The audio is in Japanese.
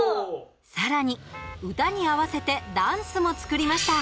さらに、歌に合わせてダンスも作りました。